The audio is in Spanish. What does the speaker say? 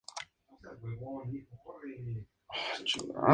Todas las canciones fueron escritas por Axxis.